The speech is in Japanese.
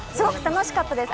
すごく楽しかったです。